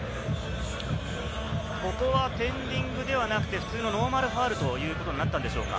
ここはテンディングではなく、普通のノーマルファウルということになったんでしょうか？